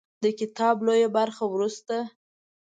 د کتاب لویه برخه وروسته